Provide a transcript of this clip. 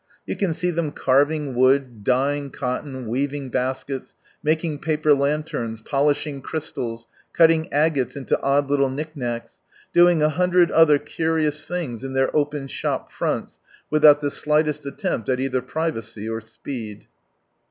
You can see them carving wood, dyeing cotton, weaving baskets, making paper lanterns, pohshing crystals, cutting agates into odd little knick knacks, doing a hundred other curious things, in their open shop fronts, without the slightest attempt at either privacy or speed.